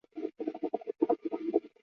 奥唐日人口变化图示